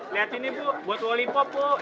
lihat ini bu buat wali pop bu